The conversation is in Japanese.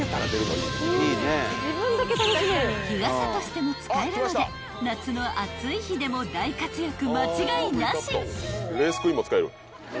［日傘としても使えるので夏の暑い日でも大活躍間違いなし］